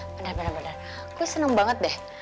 benar benar gue senang banget deh